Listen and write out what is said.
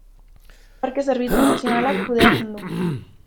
Parke Zerbitzu Nazionalak kudeatzen du.